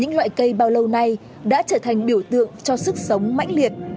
những loại cây bao lâu nay đã trở thành biểu tượng cho sức sống mãnh liệt